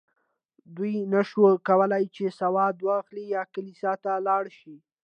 دوی نه شوای کولی چې سودا واخلي یا کلیسا ته لاړ شي.